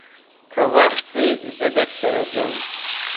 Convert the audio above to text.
که وخت وي، زه درسره ځم.